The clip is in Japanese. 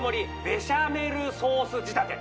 ベシャメルソース仕立て